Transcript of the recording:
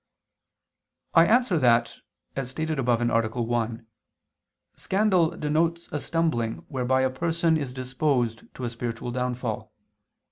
I answer that, As stated above (A. 1), scandal denotes a stumbling whereby a person is disposed to a spiritual downfall.